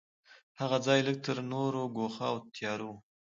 هغه ځای لږ تر نورو ګوښه او تیاره و.